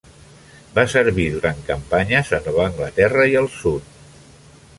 Va servir durant campanyes a Nova Anglaterra i el Sud.